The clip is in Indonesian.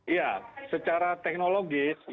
ya secara teknologis